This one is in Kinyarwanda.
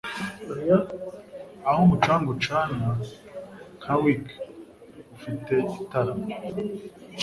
aho umucanga ucana nka wick ufite itara